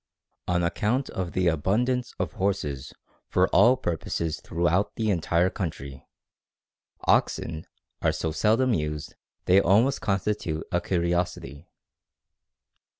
_ On account of the abundance of horses for all purposes throughout the entire country, oxen are so seldom used they almost constitute a curiosity.